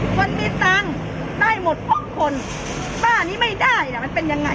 คนมีตังค์ได้หมดหกคนบ้านนี้ไม่ได้น่ะมันเป็นยังไง